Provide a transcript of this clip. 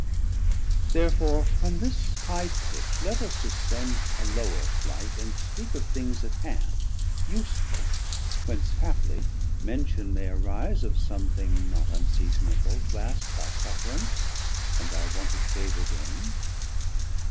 Therefore from this high pitch let us descend A lower flight, and speak of things at hand Useful, whence haply mention may arise 200 Of somthing not unseasonable to ask By sufferance, and thy wonted favour deign'd.